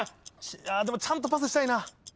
でもちゃんとパスしたいな。